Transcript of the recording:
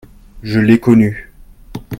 je l'ai connue.